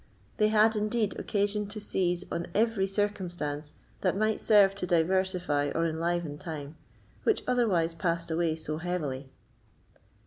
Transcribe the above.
They had indeed occasion to seize on every circumstance that might serve to diversify or enliven time, which otherwise passed away so heavily.